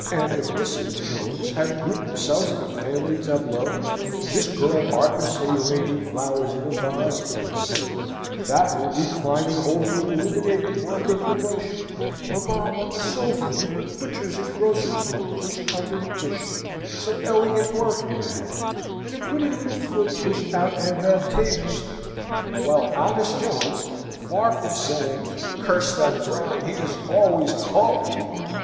and the Misses Jones have grouped themselves in a family tableau; this girl artlessly arranging flowers in a vase, let us say; that one reclining over an illuminated work of devotion; mamma on the sofa, with the butcher's and grocer's book pushed under the cushion, some elegant work in her hand, and a pretty little foot pushed out advantageously; while honest Jones, far from saying, "Curse that Brown, he is always calling here!"